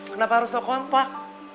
kenapa harus sok kompak